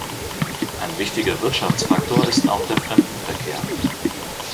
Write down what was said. Ein wichtiger Wirtschaftsfaktor ist auch der Fremdenverkehr.